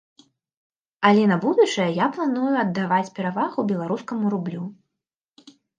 Але на будучае я планую аддаваць перавагу беларускаму рублю.